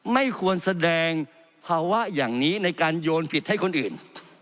ไม่ควรแสดงภาวะอย่างนี้ในการโยนผิดให้คนอื่น